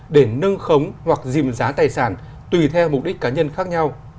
để nâng khống hoặc dìm giá tài sản tùy theo mục đích cá nhân khác nhau